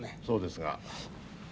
そうですが。